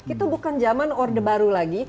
itu bukan zaman orde baru lagi